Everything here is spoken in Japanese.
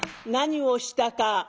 何をしたか。